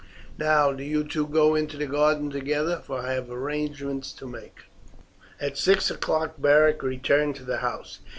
Now do you two go into the garden together, for I have arrangements to make." At six o'clock Beric returned to the house.